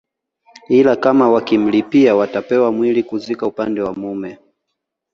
ila kama wakimlipia watapewa mwili kuzika upande wa mume